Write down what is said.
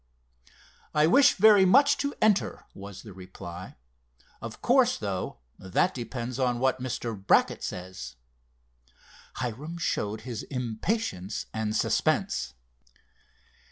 "I wish very much to enter," was the reply. "Of course, though, that depends on what Mr. Brackett says." Hiram showed his impatience and suspense.